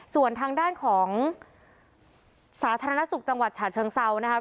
ส่วนทางด้านของสาธารณสุขจังหวัดฉะเชิงเซานะครับ